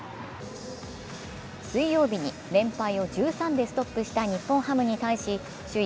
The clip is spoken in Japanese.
水曜日に連敗を１３でストップした日本ハムに対し首位